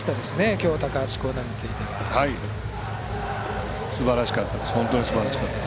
今日は、高橋光成については。すばらしかった。